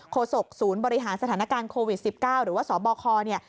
ศกศูนย์บริหารสถานการณ์โควิด๑๙หรือว่าสบคเนี่ย